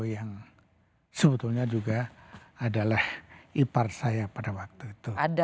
yang sebetulnya juga adalah ipart saya pada waktu itu